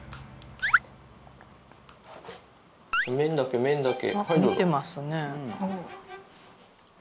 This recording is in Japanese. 麺だけ麺だけ。